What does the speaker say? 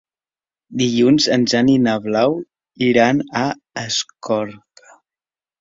Dilluns en Jan i na Blau iran a Escorca.